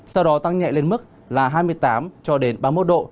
sau đó tăng nhẹ lên mức là hai mươi tám cho đến ba mươi một độ